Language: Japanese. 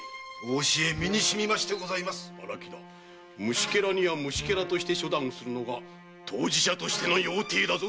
虫けらには虫けらとして処断するのが統治者としての要諦だぞ！